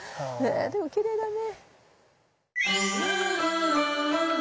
でもきれいだね。